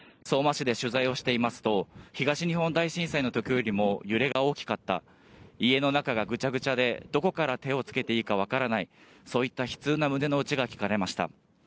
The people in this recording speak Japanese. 相馬市で取材していますと東日本大震災の時よりも揺れが大きかった、家の中がぐちゃぐちゃで、どこから手をつけていいかわからない、そういった悲痛な胸の内が聞かれました。